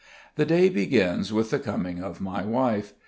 The day begins with the coming of my wife.